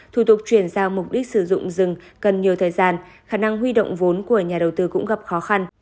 thủ tục chuyển giao mục đích sử dụng rừng cần nhiều thời gian khả năng huy động vốn của nhà đầu tư cũng gặp khó khăn